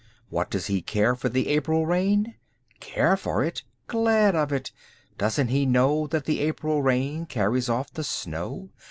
What does he care for the April rain? Care for it? Glad of it! Doesn't he know That the April rain carries off the snow.